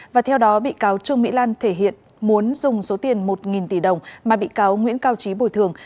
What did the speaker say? và theo đó bị cáo trương mỹ lan thể hiện muốn dùng số tiền một tỷ đồng mà bị cáo nguyễn cao trí bồi thường